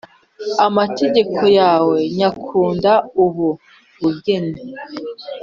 Amategeko yawe nyakunda ubu bugeni